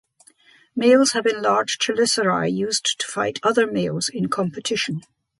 Males have enlarged chelicerae used to fight other males in competition.